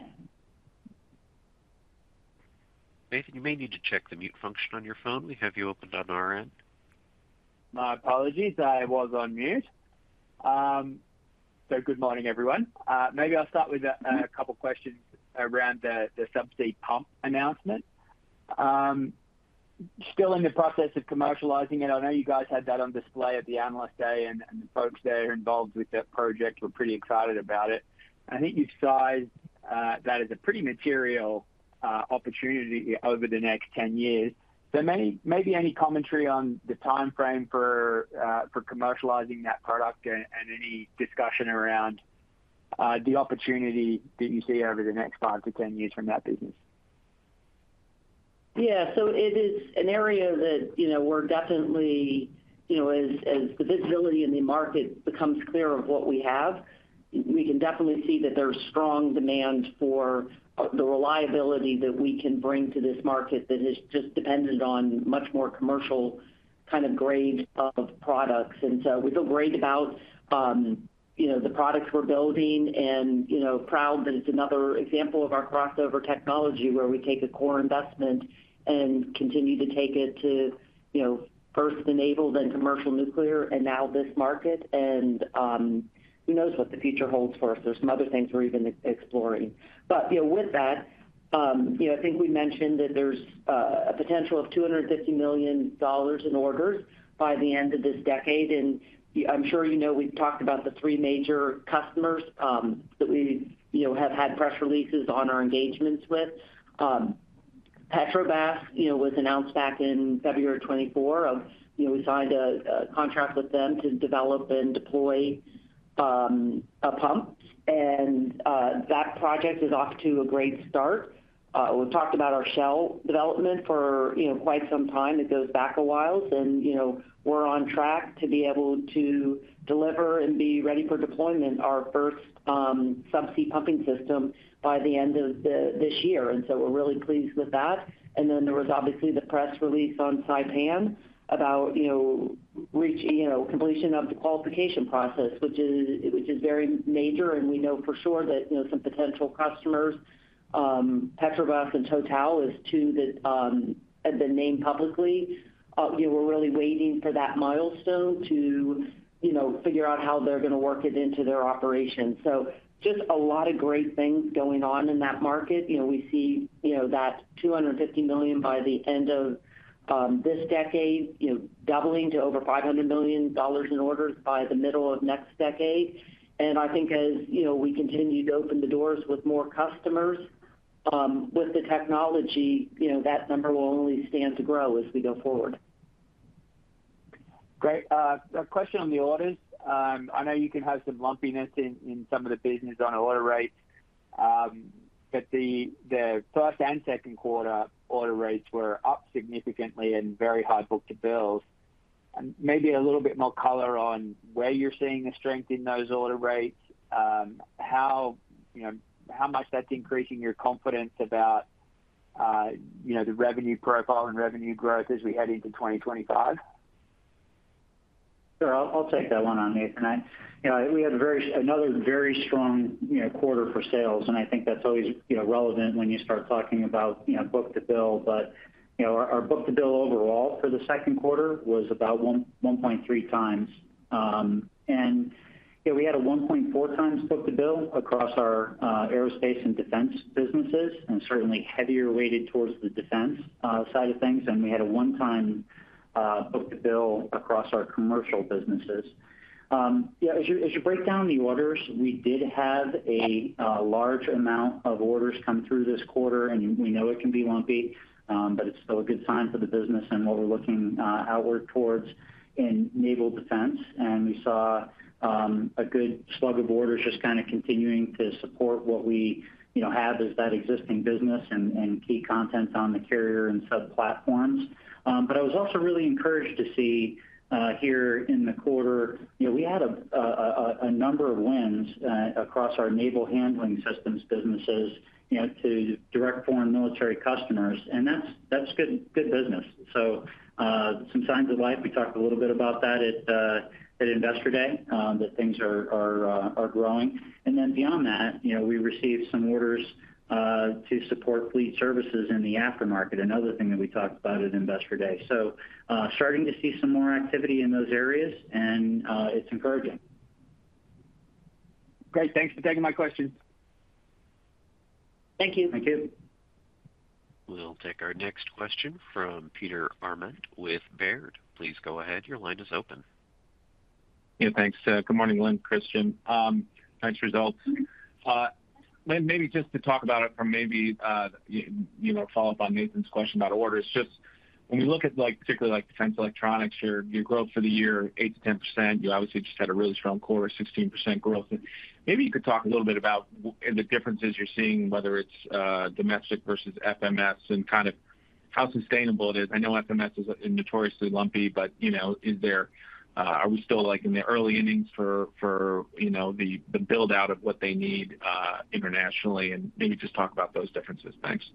Nathan, you may need to check the mute function on your phone. We have you opened on our end. My apologies, I was on mute. So good morning, everyone. Maybe I'll start with a couple of questions around the subsea pump announcement. Still in the process of commercializing it, I know you guys had that on display at the Analyst Day, and the folks there involved with that project were pretty excited about it. I think you sized that as a pretty material opportunity over the next 10 years. So maybe any commentary on the timeframe for commercializing that product and any discussion around the opportunity that you see over the next 5 to 10 years from that business? Yeah. So it is an area that, you know, we're definitely, you know, as, as the visibility in the market becomes clear of what we have, we can definitely see that there's strong demand for the reliability that we can bring to this market that is just dependent on much more commercial kind of grade of products. And so we feel great about, you know, the products we're building and, you know, proud that it's another example of our crossover technology, where we take a core investment and continue to take it to, you know, first enabled in commercial nuclear and now this market. And who knows what the future holds for us? There's some other things we're even exploring. But, you know, with that, I think we mentioned that there's a potential of $250 million in orders by the end of this decade. And I'm sure you know, we've talked about the three major customers that we, you know, have had press releases on our engagements with. Petrobras, you know, was announced back in February of 2024, you know, we signed a contract with them to develop and deploy a pump, and that project is off to a great start. We've talked about our Shell development for, you know, quite some time. It goes back a while, and, you know, we're on track to be able to deliver and be ready for deployment our first subsea pumping system by the end of this year. And so we're really pleased with that. Then there was obviously the press release on Saipem about, you know, reaching completion of the qualification process, which is very major, and we know for sure that, you know, some potential customers, Petrobras and Total is two that have been named publicly. We're really waiting for that milestone to, you know, figure out how they're gonna work it into their operations. So just a lot of great things going on in that market. You know, we see, you know, that $250 million by the end of this decade, you know, doubling to over $500 million in orders by the middle of next decade. And I think as, you know, we continue to open the doors with more customers with the technology, you know, that number will only stand to grow as we go forward. Great. A question on the orders. I know you can have some lumpiness in some of the business on order rates, but the first and second quarter order rates were up significantly and very high book-to-bill. Maybe a little bit more color on where you're seeing the strength in those order rates, how, you know, how much that's increasing your confidence about, you know, the revenue profile and revenue growth as we head into 2025? Sure, I'll take that one on, Nathan. You know, we had another very strong quarter for sales, and I think that's always relevant when you start talking about book-to-bill. But our book-to-bill overall for the second quarter was about 1.3 times. And yeah, we had a 1.4 times book-to-bill across our aerospace and defense businesses, and certainly heavily weighted towards the defense side of things. And we had a 1.0 times book-to-bill across our commercial businesses. Yeah, as you break down the orders, we did have a large amount of orders come through this quarter, and we know it can be lumpy, but it's still a good sign for the business and what we're looking outward towards in Naval Defense. And we saw a good slug of orders just kind of continuing to support what we, you know, have as that existing business and key content on the carrier and sub platforms. But I was also really encouraged to see here in the quarter, you know, we had a number of wins across our naval handling systems businesses, you know, to direct foreign military customers, and that's good business. So, some signs of life, we talked a little bit about that at Investor Day, that things are growing. And then beyond that, you know, we received some orders to support fleet services in the aftermarket, another thing that we talked about at Investor Day. So, starting to see some more activity in those areas, and it's encouraging. Great. Thanks for taking my questions. Thank you. Thank you. We'll take our next question from Peter Arment with Baird. Please go ahead. Your line is open. Yeah, thanks. Good morning, Lynn, Chris. Nice results. Lynn, maybe just to talk about it from maybe, you know, follow up on Nathan's question about orders. Just when you look at, like, particularly, like, Defense Electronics, your, your growth for the year, 8% to 10%, you obviously just had a really strong quarter, 16% growth. Maybe you could talk a little bit about the differences you're seeing, whether it's domestic versus FMS and kind of how sustainable it is. I know FMS is notoriously lumpy, but, you know, is there, are we still, like, in the early innings for, you know, the build-out of what they need internationally? And maybe just talk about those differences. Thanks.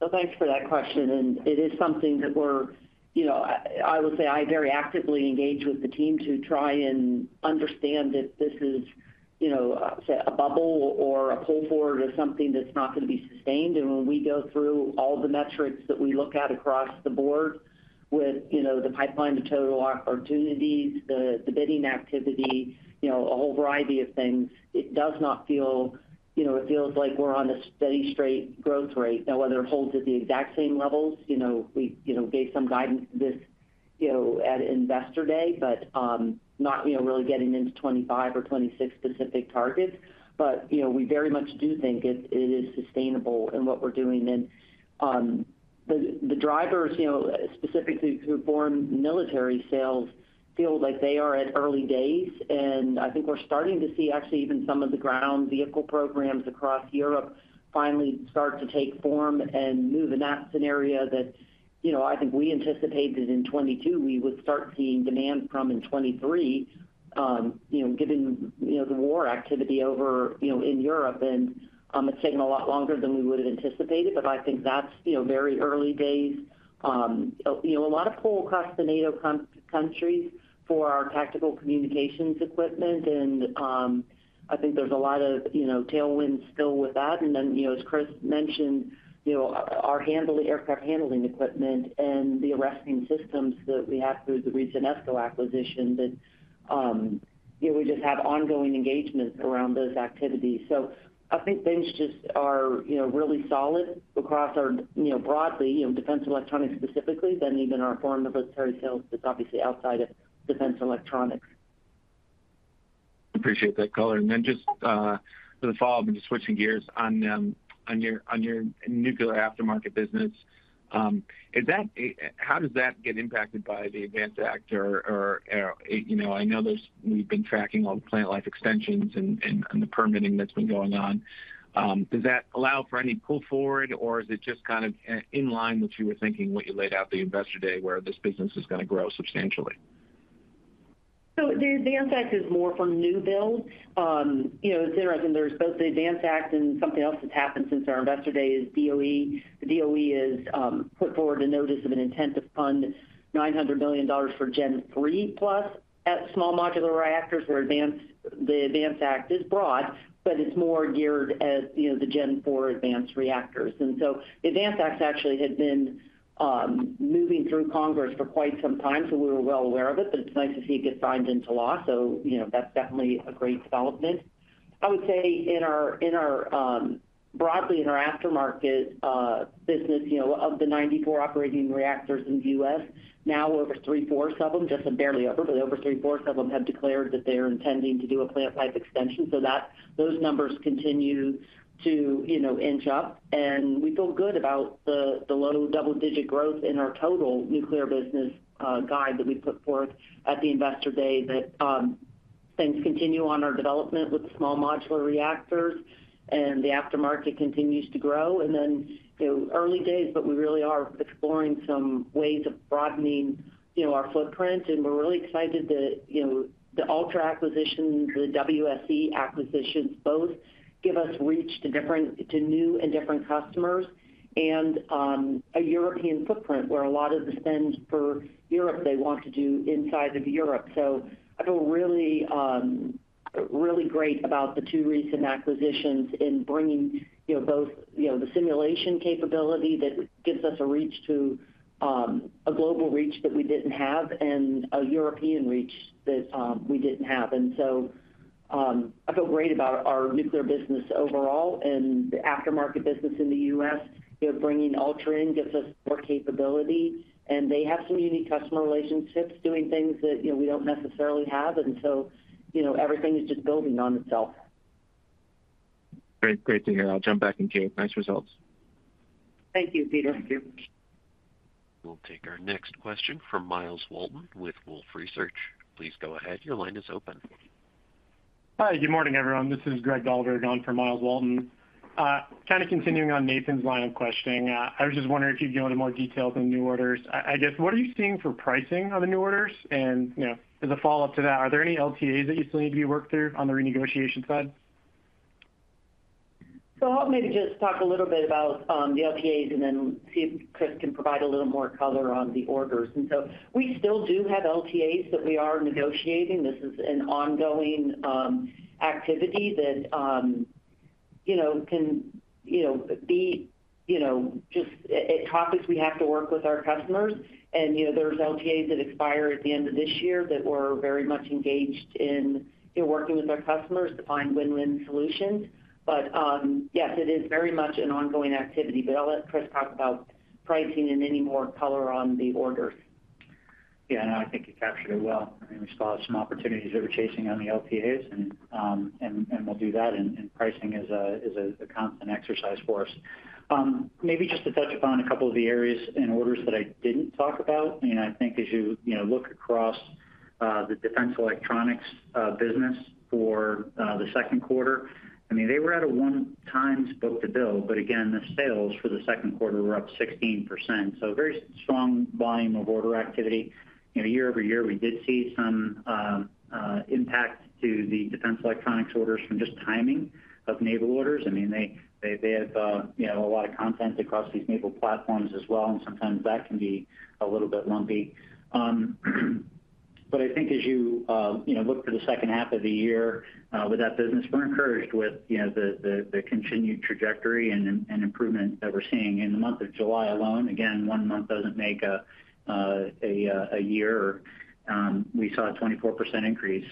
So thanks for that question, and it is something that we're, you know, I, I would say I very actively engage with the team to try and understand if this is, you know, say, a bubble or a pull-forward or something that's not going to be sustained. And when we go through all the metrics that we look at across the board with, you know, the pipeline to total opportunities, the, the bidding activity, you know, a whole variety of things, it does not feel, you know, it feels like we're on a steady, straight growth rate. Now, whether it holds at the exact same levels, you know, we, you know, gave some guidance this, you know, at Investor Day, but, not, you know, really getting into 2025 or 2026 specific targets. But, you know, we very much do think it, it is sustainable in what we're doing. And, the drivers, you know, specifically through Foreign Military Sales, feel like they are at early days, and I think we're starting to see actually even some of the ground vehicle programs across Europe finally start to take form and move in that scenario that, you know, I think we anticipated in 2022, we would start seeing demand from in 2023, you know, given, you know, the war activity over, you know, in Europe. It's taken a lot longer than we would have anticipated, but I think that's, you know, very early days. You know, a lot of pull across the NATO countries for our tactical communications equipment, and, I think there's a lot of, you know, tailwinds still with that. And then, you know, as Chris mentioned, you know, our aircraft handling equipment and the arresting systems that we have through the recent ESCO acquisition, that, you know, we just have ongoing engagement around those activities. So I think things just are, you know, really solid across our, you know, broadly, in Defense Electronics specifically, than even our Foreign Military Sales, that's obviously outside of Defense Electronics. Appreciate that color. And then just as a follow-up and just switching gears on your nuclear aftermarket business, how does that get impacted by the ADVANCE Act or, you know, I know there's—we've been tracking all the plant life extensions and the permitting that's been going on. Does that allow for any pull forward, or is it just kind of in line with what you were thinking, what you laid out at the Investor Day, where this business is gonna grow substantially? So the ADVANCE Act is more for new builds. You know, it's interesting, there's both the ADVANCE Act and something else that's happened since our Investor Day is DOE. The DOE has put forward a notice of an intent to fund $900 billion for Gen III+ at small modular reactors, where ADVANCE, the ADVANCE Act is broad, but it's more geared at, you know, the Gen IV advanced reactors. And so the ADVANCE Act actually had been moving through Congress for quite some time, so we were well aware of it, but it's nice to see it get signed into law. So, you know, that's definitely a great development. I would say, broadly, in our aftermarket business, you know, of the 94 operating reactors in the U.S., now over three-fourths of them, just barely over, but over three-fourths of them have declared that they are intending to do a plant-wide extension. So, that those numbers continue to, you know, inch up, and we feel good about the low double-digit growth in our total nuclear business guide that we put forth at the Investor Day. That, things continue on our development with small modular reactors, and the aftermarket continues to grow. Then, you know, early days, but we really are exploring some ways of broadening, you know, our footprint, and we're really excited that, you know, the Ultra acquisition, the WSC acquisitions, both give us reach to different—to new and different customers, and a European footprint where a lot of the spend for Europe, they want to do inside of Europe. So I feel really, really great about the two recent acquisitions in bringing, you know, both, you know, the simulation capability that gives us a reach to a global reach that we didn't have and a European reach that we didn't have. And so, I feel great about our nuclear business overall, and the aftermarket business in the U.S. You know, bringing Ultra in gives us more capability, and they have some unique customer relationships, doing things that, you know, we don't necessarily have, and so, you know, everything is just building on itself. Great. Great to hear. I'll jump back in, Kate. Nice results. Thank you, Peter. Thank you. We'll take our next question from Miles Walton with Wolfe Research. Please go ahead. Your line is open. Hi, good morning, everyone. This is Greg Dahlberg on for Miles Walton. Kind of continuing on Nathan's line of questioning, I was just wondering if you'd go into more details on new orders. I guess, what are you seeing for pricing on the new orders? And, you know, as a follow-up to that, are there any LTAs that you still need to be worked through on the renegotiation side? So I'll maybe just talk a little bit about the LTAs and then see if Chris can provide a little more color on the orders. So we still do have LTAs that we are negotiating. This is an ongoing activity that you know can you know be you know just a topics we have to work with our customers. You know, there's LTAs that expire at the end of this year that we're very much engaged in working with our customers to find win-win solutions. But yes, it is very much an ongoing activity. But I'll let Chris talk about pricing and any more color on the orders. Yeah, no, I think you captured it well. I mean, we saw some opportunities that we're chasing on the LTAs, and we'll do that, and pricing is a constant exercise for us. Maybe just to touch upon a couple of the areas in orders that I didn't talk about, you know, I think as you, you know, look across the Defense Electronics business for the second quarter, I mean, they were at a 1x book-to-bill, but again, the sales for the second quarter were up 16%. So very strong volume of order activity. You know, year-over-year, we did see some impact to the Defense Electronics orders from just timing of naval orders. I mean, they have, you know, a lot of content across these naval platforms as well, and sometimes that can be a little bit lumpy. But I think as you, you know, look to the second half of the year, with that business, we're encouraged with, you know, the continued trajectory and improvement that we're seeing. In the month of July alone, again, one month doesn't make a year, we saw a 24% increase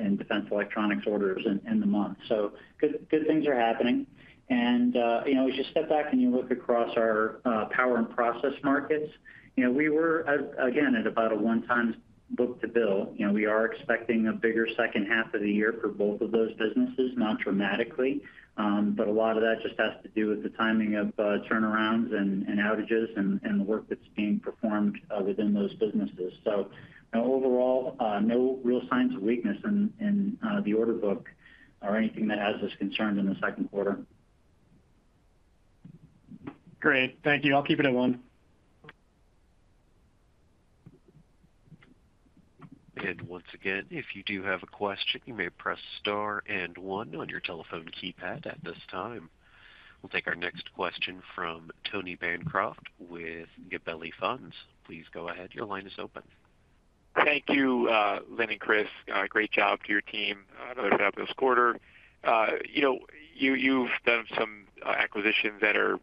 in Defense Electronics orders in the month. So good, good things are happening. And, you know, as you step back and you look across our Power and Process markets, you know, we were at, again, at about a 1x book-to-bill. You know, we are expecting a bigger second half of the year for both of those businesses, not dramatically, but a lot of that just has to do with the timing of turnarounds and outages and the work that's being performed within those businesses. So overall, no real signs of weakness in the order book or anything that has us concerned in the second quarter. Great. Thank you. I'll keep it at one. Once again, if you do have a question, you may press star and one on your telephone keypad at this time. We'll take our next question from Tony Bancroft with Gabelli Funds. Please go ahead. Your line is open. Thank you, Lynn and Chris, great job to your team. Another fabulous quarter. You know, you've done some acquisitions that are,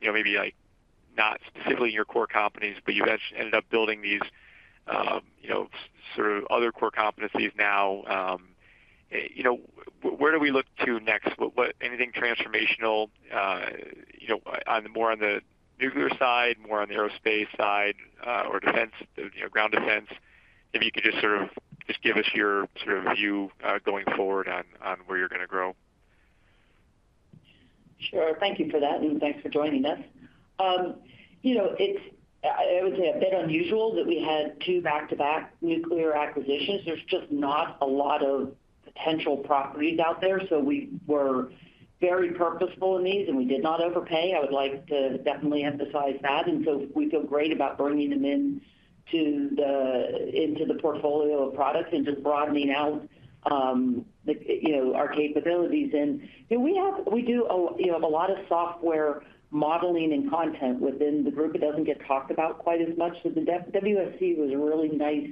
you know, maybe like, not specifically your core companies, but you guys ended up building these, you know, sort of other core competencies now. You know, where do we look to next? What anything transformational, you know, on the more on the nuclear side, more on the aerospace side, or defense, you know, Ground Defense? If you could just sort of, just give us your sort of view, going forward on, on where you're going to grow. Sure. Thank you for that, and thanks for joining us. You know, it's I would say a bit unusual that we had two back-to-back nuclear acquisitions. There's just not a lot of potential properties out there, so we were very purposeful in these, and we did not overpay. I would like to definitely emphasize that, and so we feel great about bringing them in to the, into the portfolio of products and just broadening out the, you know, our capabilities. And, you know, we have we do, you know, have a lot of software modeling and content within the group. It doesn't get talked about quite as much, but WSC was a really nice,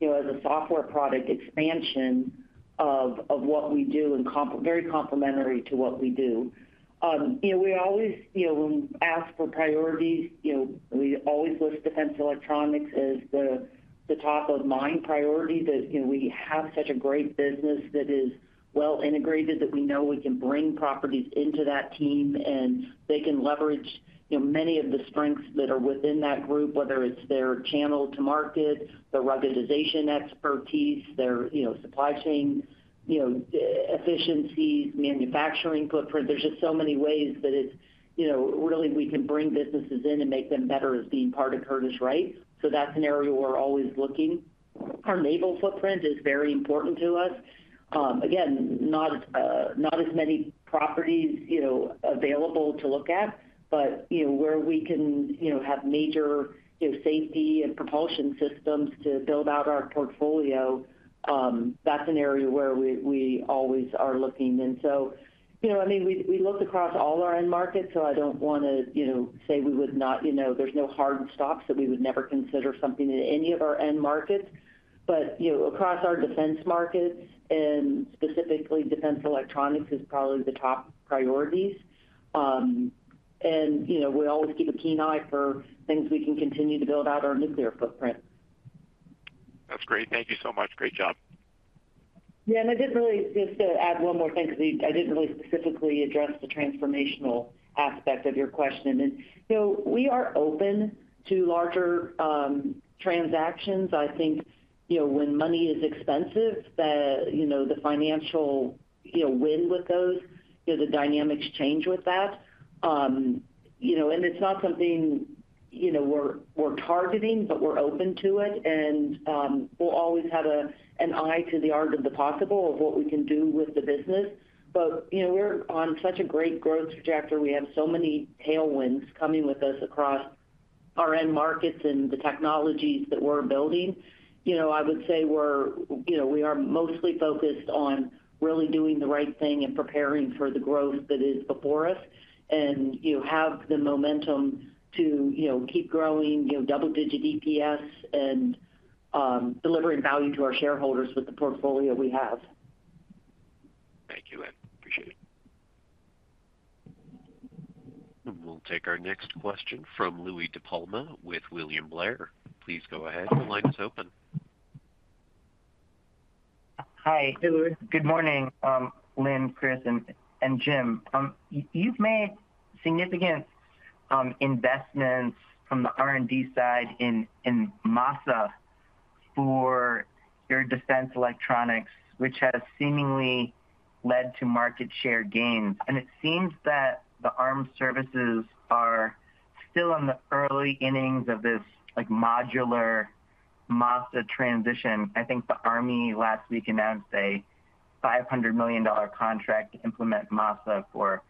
you know, as a software product expansion of what we do and very complementary to what we do. You know, we always, you know, when we ask for priorities, you know, we always list Defense Electronics as the top-of-mind priority, that, you know, we have such a great business that is well integrated, that we know we can bring properties into that team, and they can leverage, you know, many of the strengths that are within that group, whether it's their channel to market, their ruggedization expertise, their, you know, supply chain, you know, efficiencies, manufacturing footprint. There's just so many ways that it's, you know, really, we can bring businesses in and make them better as being part of Curtiss-Wright, so that's an area we're always looking. Our naval footprint is very important to us. Again, not as many properties, you know, available to look at, but, you know, where we can, you know, have major, you know, safety and propulsion systems to build out our portfolio, that's an area where we, we always are looking. And so, you know, I mean, we, we looked across all our end markets, so I don't wanna, you know, say we would not, you know, there's no hard stops, that we would never consider something in any of our end markets. But, you know, across our defense markets, and specifically Defense Electronics, is probably the top priorities. And, you know, we always keep a keen eye for things we can continue to build out our nuclear footprint. That's great. Thank you so much. Great job. Yeah, and I did really, just to add one more thing, because I didn't really specifically address the transformational aspect of your question. And so we are open to larger transactions. I think, you know, when money is expensive, the, you know, the financial winds with those, you know, the dynamics change with that. You know, and it's not something, you know, we're targeting, but we're open to it, and we'll always have an eye to the art of the possible of what we can do with the business. But, you know, we're on such a great growth trajectory. We have so many tailwinds coming with us across our end markets and the technologies that we're building. You know, I would say we're, you know, we are mostly focused on really doing the right thing and preparing for the growth that is before us, and you have the momentum to, you know, keep growing, you know, double-digit EPS and delivering value to our shareholders with the portfolio we have. Thank you, Lynn. Appreciate it. We'll take our next question from Louie DiPalma with William Blair. Please go ahead. The line is open. Hi. Hey, Louis. Good morning, Lynn, Chris, and Jim. You've made significant investments from the R&D side in MOSA for your Defense Electronics, which has seemingly led to market share gains. It seems that the armed services are still in the early innings of this, like, modular MOSA transition. I think the Army last week announced a $500 million contract to implement MOSA for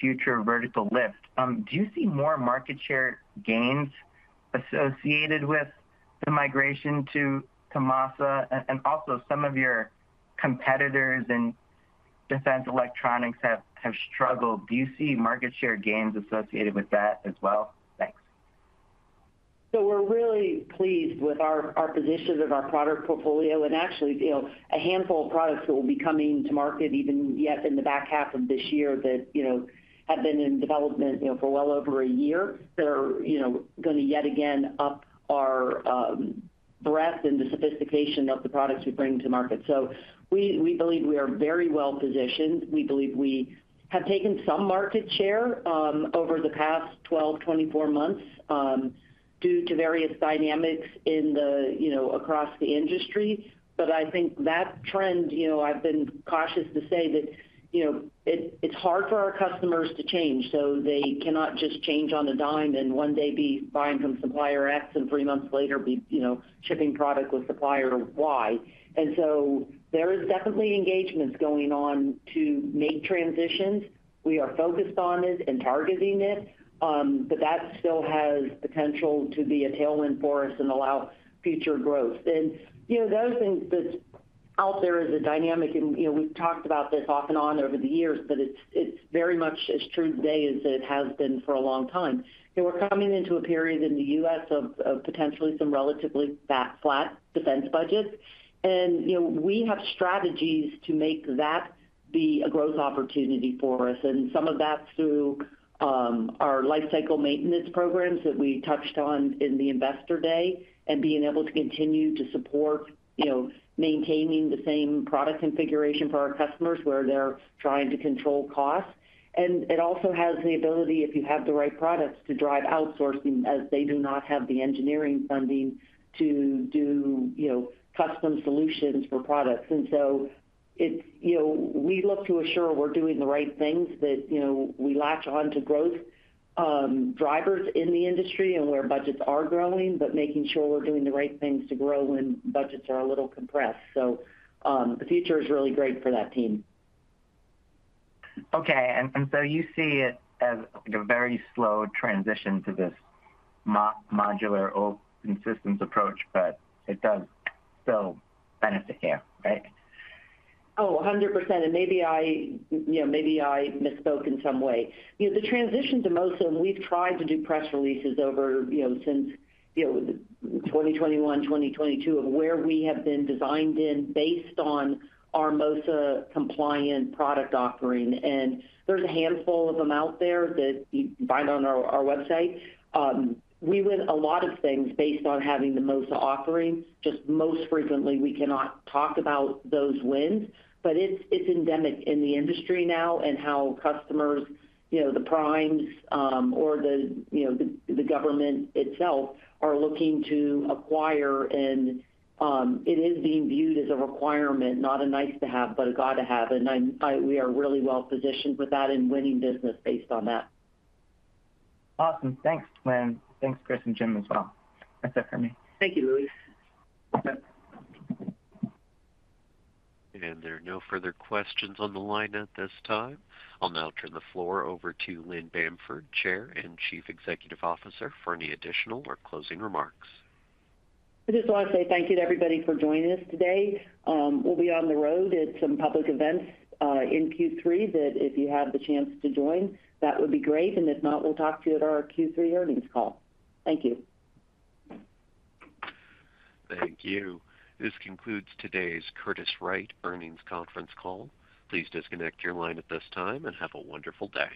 Future Vertical Lift. Do you see more market share gains associated with the migration to MOSA? And also, some of your competitors in Defense Electronics have struggled. Do you see market share gains associated with that as well? Thanks. So we're really pleased with our position of our product portfolio, and actually, you know, a handful of products that will be coming to market even yet in the back half of this year, that, you know, have been in development, you know, for well over a year. They're, you know, gonna yet again up our breadth and the sophistication of the products we bring to market. So we believe we are very well positioned. We believe we have taken some market share over the past 12, 24 months due to various dynamics in the, you know, across the industry. But I think that trend, you know, I've been cautious to say that, you know, it's hard for our customers to change, so they cannot just change on a dime and one day be buying from supplier X, and three months later be, you know, shipping product with supplier Y. And so there is definitely engagements going on to make transitions. We are focused on it and targeting it, but that still has potential to be a tailwind for us and allow future growth. And, you know, the other thing that's out there is a dynamic, and, you know, we've talked about this off and on over the years, but it's very much as true today as it has been for a long time. You know, we're coming into a period in the U.S. of potentially some relatively flat defense budgets. You know, we have strategies to make that be a growth opportunity for us, and some of that's through our lifecycle maintenance programs that we touched on in the Investor Day, and being able to continue to support, you know, maintaining the same product configuration for our customers, where they're trying to control costs. And it also has the ability, if you have the right products, to drive outsourcing, as they do not have the engineering funding to do, you know, custom solutions for products. And so it's, you know, we look to assure we're doing the right things, that, you know, we latch on to growth drivers in the industry and where budgets are growing, but making sure we're doing the right things to grow when budgets are a little compressed. So, the future is really great for that team. Okay, and so you see it as, like, a very slow transition to this modular open systems approach, but it does still benefit here, right? Oh, 100%, and maybe I, you know, maybe I misspoke in some way. You know, the transition to MOSA, and we've tried to do press releases over, you know, since, you know, 2021, 2022, of where we have been designed in based on our MOSA-compliant product offering. And there's a handful of them out there that you can find on our, our website. We win a lot of things based on having the MOSA offerings. Just most frequently, we cannot talk about those wins, but it's, it's endemic in the industry now, and how customers, you know, the primes, or the, you know, the, the government itself, are looking to acquire. It is being viewed as a requirement, not a nice to have, but a gotta have, and I'm, we are really well positioned with that and winning business based on that. Awesome. Thanks, Lynn. Thanks, Chris and Jim as well. That's it for me. Thank you, Louie. There are no further questions on the line at this time. I'll now turn the floor over to Lynn Bamford, Chair and Chief Executive Officer, for any additional or closing remarks. I just want to say thank you to everybody for joining us today. We'll be on the road at some public events in Q3, that if you have the chance to join, that would be great, and if not, we'll talk to you at our Q3 earnings call. Thank you. Thank you. This concludes today's Curtiss-Wright earnings conference call. Please disconnect your line at this time and have a wonderful day.